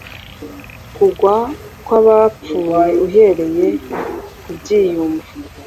Kugwa kwabapfuye Uhereye ku byiyumvo